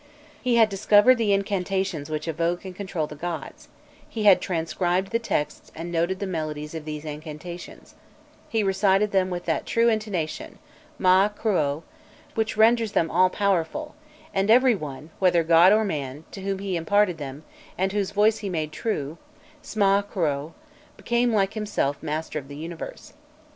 He had discovered the incantations which evoke and control the gods; he had transcribed the texts and noted the melodies of these incantations; he recited them with that true intonation mâ khrôû which renders them all powerful, and every one, whether god or man, to whom he imparted them, and whose voice he made true smâ khrôû became like himself master of the universe.